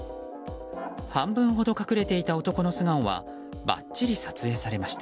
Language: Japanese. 半分ほど隠れていた男の素顔はばっちり撮影されました。